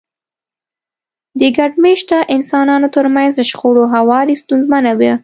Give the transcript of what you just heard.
د ګډ مېشته انسانانو ترمنځ شخړو هواری ستونزمنه وه.